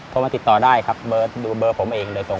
โทรมาติดต่อได้ครับเบอร์ดูเบอร์ผมเองเลยตรงนั้น